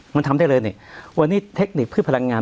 มันทำได้เลยนี่วันนี้เทคนิคพืชพลังงาน